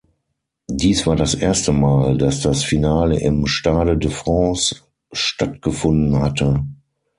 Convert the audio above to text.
Dies war das erste Mal, dass das Finale im Stade de France stattgefunden hatte.